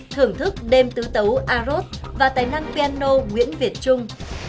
thưởng thức đêm tứ tấu arot và tài năng piano nguyễn việt trung